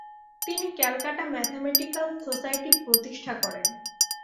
তিনি Calcutta Mathematical Society প্রতিষ্ঠা করেন।